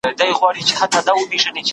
دوی دودونه او رواجونه باید وساتل شي.